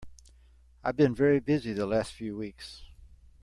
I've been very busy the last few weeks.